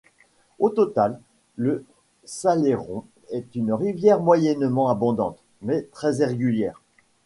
Au total, le Salleron est une rivière moyennement abondante, mais très irrégulière.